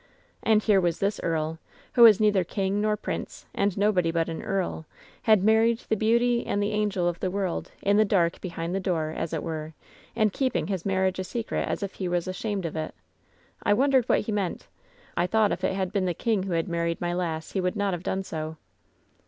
And here was this earl, whc was neither king nor prince and nobody but an earl had LOVERS BITTEREST CUP 281 married the beauty and the angel of the world, in the dark behind the door, as it were, and keeping his mar riage a secret as if he was ashamed of it. I wondered what he meant. I thought if it had been the king who had married my lass he would not have done so.